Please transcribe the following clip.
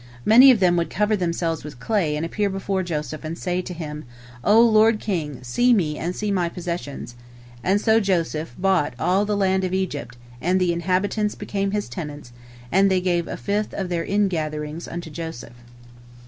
Many of them would cover themselves with clay and appear before Joseph, and say to him, "O lord king, see me and see my possessions!" And so Joseph bought all the land of Egypt, and the inhabitants became his tenants, and they gave a fifth of their ingatherings unto joseph.